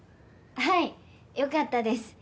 はいよかったです。